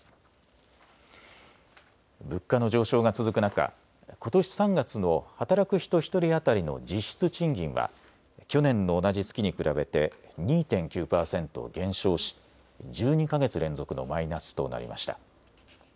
物価の上昇が続く中、ことし３月の働く人１人当たりの実質賃金は去年の同じ月に比べて２．９％減少し、１２か月連続のマイナスとなりました。